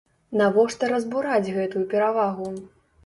Навошта разбураць гэтую перавагу?